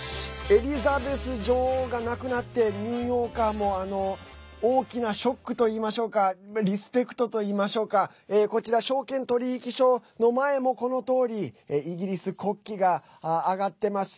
エリザベス女王が亡くなってニューヨーカーも大きなショックといいましょうかリスペクトといいましょうかこちら証券取引所の前もこのとおりイギリス国旗が揚がってます。